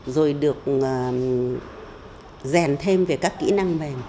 rồi được rèn thêm về các kỹ năng mềm